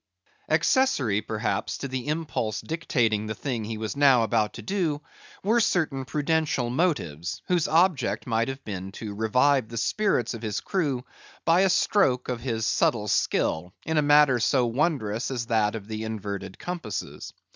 Accessory, perhaps, to the impulse dictating the thing he was now about to do, were certain prudential motives, whose object might have been to revive the spirits of his crew by a stroke of his subtile skill, in a matter so wondrous as that of the inverted compasses.